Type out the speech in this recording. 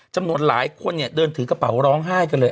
จำนวนหลายคนเนี่ยเดินถือกระเป๋าร้องไห้กันเลย